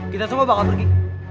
kita semua bakal pergi